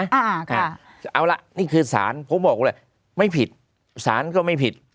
เอาค่ะเอาละนี่คือศาลผมบอกเลยไม่ผิดสารก็ไม่ผิด